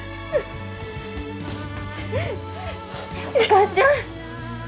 お母ちゃん！